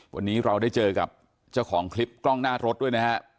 วันนี้เราได้เจอกับเจ้าของคลิปกล้องหน้ารถด้วยนะฮะ